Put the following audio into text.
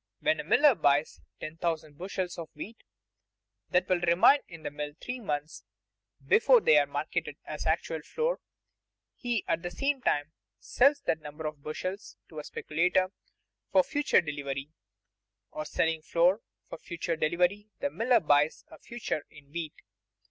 When a miller buys ten thousand bushels of wheat that will remain in the mill three months before they are marketed as actual flour, he at the same time sells that number of bushels to a speculator for future delivery; or selling flour for future delivery the miller buys a future in wheat.